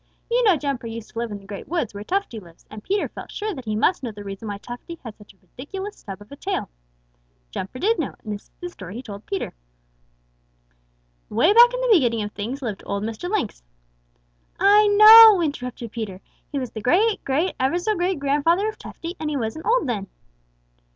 You know Jumper used to live in the Great Woods where Tufty lives, and Peter felt sure that he must know the reason why Tufty has such a ridiculous stub of a tail. Jumper did know, and this is the story he told Peter: "Way back in the beginning of things lived old Mr. Lynx." "I know," interrupted Peter. "He was the great great ever so great grandfather of Tufty, and he wasn't old then."